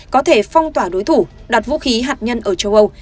có thể phong tỏa đối thủ đặt vũ khí hạt nhân ở châu âu